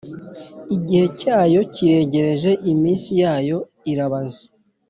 Igihe cyayo kiregereje, iminsi yayo irabaze.